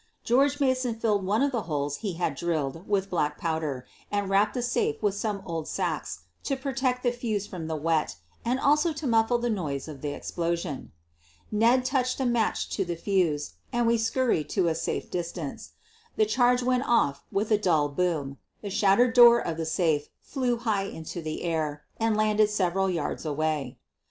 George Mason? filled one of the holes he had drilled with black pow der and wrapped the safe with some old sacks to protect the fuse from the wet and also to muffle the noise of the explosion. Ned touched a match to the fuse and we scurried to a safe distance. The charge went off with a dull boom — the shattered door of the safe flew high into the air and landed several yards away.